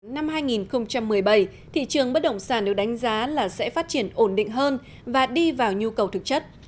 năm hai nghìn một mươi bảy thị trường bất động sản được đánh giá là sẽ phát triển ổn định hơn và đi vào nhu cầu thực chất